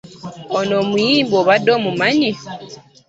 Oyo omuyimbi obadde omumanyi?